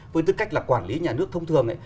với tư cách là quản lý nhà nước thông thường